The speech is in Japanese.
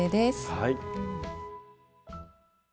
はい。